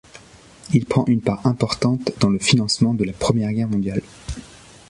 Il prend une part importante dans le financement de la Première Guerre mondiale.